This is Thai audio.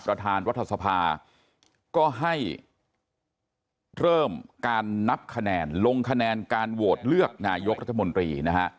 ประธานรัฐสภาก็ให้เริ่มการนับคะแนนลงคะแนนการโหวตเลือกนายกรัฐมนตรีนะฮะ